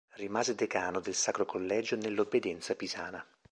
Rimase decano del sacro collegio nell'obbedienza pisana.